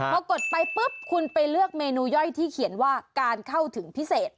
พอกดไปปุ๊บคุณไปเลือกเมนูย่อยที่เขียนว่าการเข้าถึงพิเศษ